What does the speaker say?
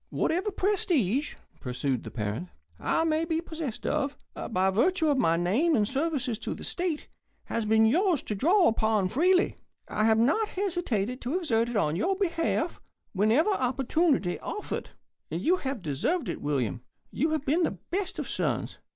"Whatever prestige," pursued the parent, "I may be possessed of, by virtue of my name and services to the state, has been yours to draw upon freely. I have not hesitated to exert it in your behalf whenever opportunity offered. And you have deserved it, William. You've been the best of sons.